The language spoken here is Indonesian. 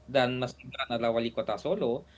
dan mas gibran adalah wali kota solo